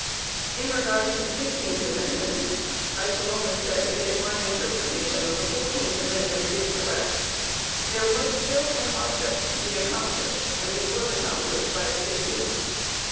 In regard to the fifteenth amendment, I shall only say, that if my interpretation of the fourteenth amendment is correct, there was still an object to be accomplished and which was accomplished by the fifteenth.